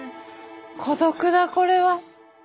孤独だこれは。